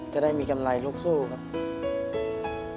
จะได้มีกำไรลูกสู้ครับ